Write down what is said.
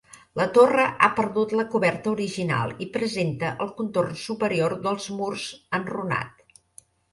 La torre ha perdut la coberta original i presenta el contorn superior dels murs enrunat.